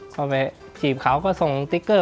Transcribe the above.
เข้าไปถีบเขาก็ส่งสติ๊กเกอร์